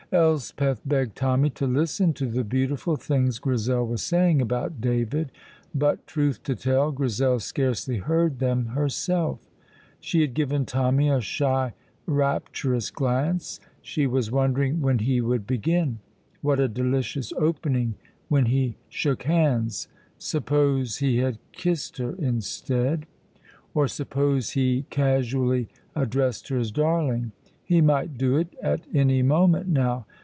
Elspeth begged Tommy to listen to the beautiful things Grizel was saying about David, but, truth to tell, Grizel scarcely heard them herself. She had given Tommy a shy, rapturous glance. She was wondering when he would begin. What a delicious opening when he shook hands! Suppose he had kissed her instead! Or, suppose he casually addressed her as darling! He might do it at any moment now!